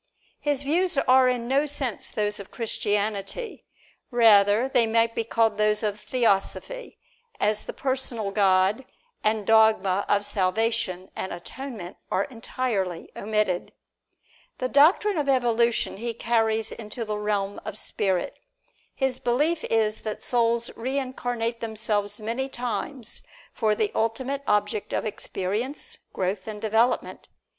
His views are in no sense those of Christianity; rather, they might be called those of Theosophy, as the personal God and the dogma of salvation and atonement are entirely omitted. The Doctrine of Evolution he carries into the realm of spirit. His belief is that souls reincarnate themselves many times for the ultimate object of experience, growth and development.